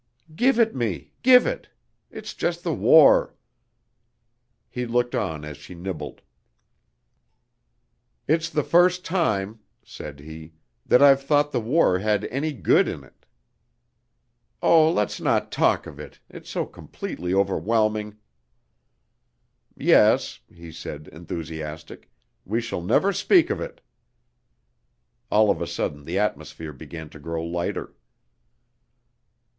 "Give it me, give it! It's just the war." He looked on as she nibbled. "It's the first time," said he, "that I've thought the war had any good in it." "Oh, let's not talk of it! It is so completely overwhelming!" "Yes," he said, enthusiastic, "we shall never speak of it." (All of a sudden the atmosphere began to grow lighter.)